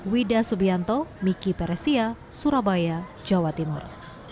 wida subianto miki peresia surabaya jawa timur